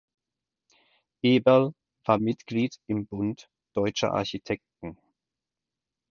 Eberl war Mitglied im Bund Deutscher Architekten.